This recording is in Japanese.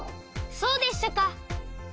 そうでしたか！